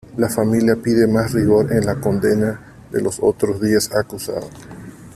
La familia pide más rigor en la condena de los otros diez acusados.